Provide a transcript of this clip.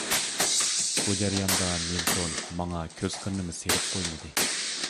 بۇ جەرياندا مىلتون ماڭا كۆز قىرىنىمۇ سېلىپ قويمىدى.